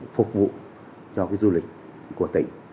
phục vụ cho du lịch của tỉnh